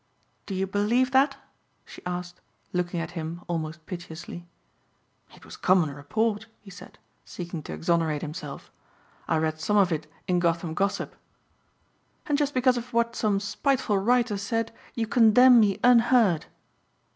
"Do you believe that?" she asked looking at him almost piteously. "It was common report," he said, seeking to exonerate himself, "I read some of it in Gotham Gossip." "And just because of what some spiteful writer said you condemn me unheard."